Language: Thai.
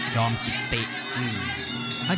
อมกิติ